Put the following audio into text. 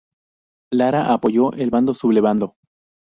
Lara apoyó el bando sublevado.